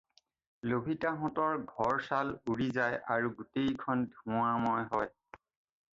লভিতাহঁতৰ ঘৰ-চাল উৰি যায় আৰু গোটেইখন ধোঁৱাময় হয়।